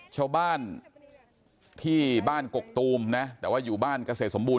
ชาวบ้านที่บ้านกกตูมนะแต่ว่าอยู่บ้านเกษตรสมบูร